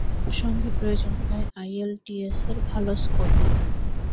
সঙ্গে প্রয়োজন হয় আইইএলটিএসের ভালো স্কোর।